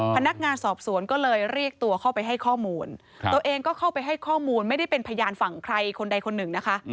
พนักงานสอบสวนก็เลยเรียกตัวเข้าไปให้ข้อมูลตัวเองก็เข้าไปให้ข้อมูลไม่ได้เป็นพยานฝั่งใครคนใดคนหนึ่งนะคะ